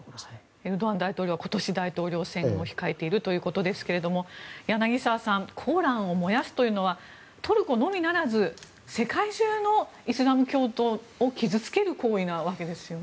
エルドアン大統領は今年、大統領選を控えているということですけれども柳澤さんコーランを燃やすというのはトルコのみならず世界中のイスラム教徒を傷つける行為なわけですよね。